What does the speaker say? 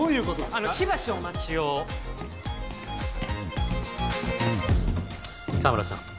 あのしばしお待ちを沢村さん